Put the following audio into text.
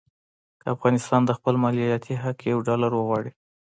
که افغانستان د خپل مالیاتي حق یو ډالر وغواړي.